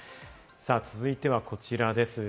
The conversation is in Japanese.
続いてはこちらです。